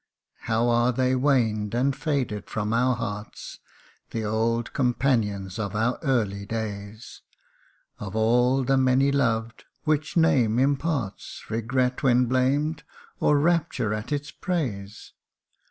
How are they waned and faded from our hearts, The old companions of our early days ! Of all the many loved, which name imparts Regret when blamed, or rapture at its praise